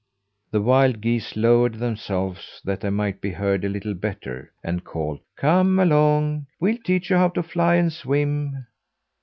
The wild geese lowered themselves that they might be heard a little better, and called: "Come along! We'll teach you how to fly and swim."